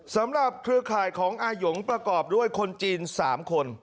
สำหรับเครือข่ายของอายุ๋งประกอบด้วยคนจีนสามคน